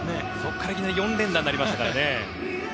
いきなり４連打になりましたからね。